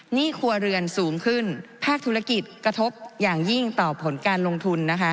หนี้ครัวเรือนสูงขึ้นภาคธุรกิจกระทบอย่างยิ่งต่อผลการลงทุน